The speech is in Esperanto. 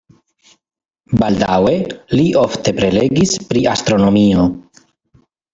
Baldaŭe li ofte prelegis pri astronomio.